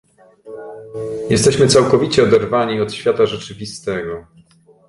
Jesteśmy całkowicie oderwani od świata rzeczywistego